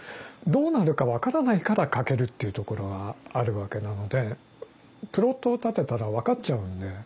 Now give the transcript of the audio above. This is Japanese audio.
どうなるか分からないから書けるっていうところはあるわけなのでプロットを立てたら分かっちゃうので。